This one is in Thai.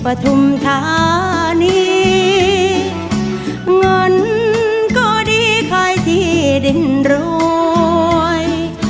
ก็ทุ่มฐานีเงินก็ดีค่อยที่ดินรวย